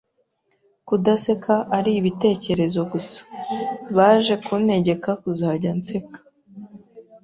kudaseka ari ibitekerezo gusa! Baje kuntegeka kuzajya nseka